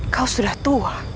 kau sudah tua